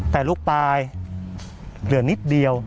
แต่ลูกปลายเหลือนิดเดียว